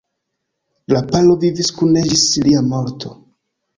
La paro vivis kune ĝis lia morto.